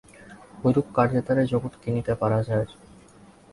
ঐরূপ কার্যের দ্বারাই জগৎ কিনিতে পারা যায়।